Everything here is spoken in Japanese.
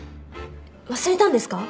忘れたんですか？